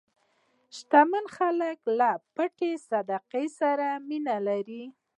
شتمن خلک له پټې صدقې سره مینه لري.